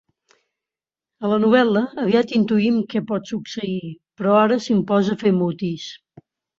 A la novel·la aviat intuïm què pot succeir, però ara s'imposa fer mutis.